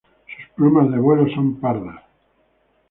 Sus plumas de vuelo son pardas.